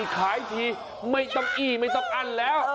ไข่อยู่ไหน